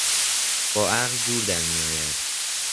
با عقل جور در میآید.